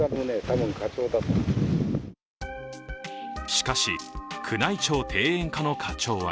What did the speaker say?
しかし、宮内庁庭園課の課長は